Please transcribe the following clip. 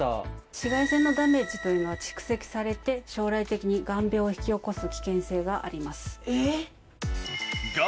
紫外線のダメージというのは蓄積されて将来的に眼病を引き起こす危険性があります。